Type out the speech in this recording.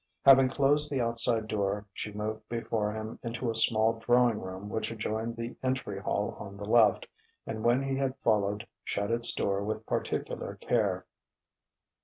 Having closed the outside door, she moved before him into a small drawing room which adjoined the entry hall on the left, and when he had followed shut its door with particular care.